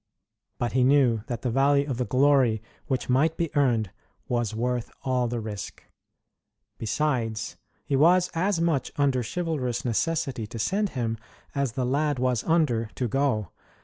But he knew that the value of the glory which might be earned was worth all the risk. Besides, he was as much under chivalrous necessity to send him, as the lad was under to go.